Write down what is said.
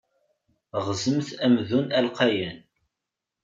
Ɣzemt amdun alqayan.